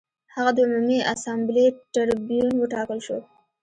هغه د عمومي اسامبلې ټربیون وټاکل شو